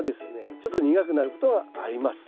ちょっと苦くなることがあります。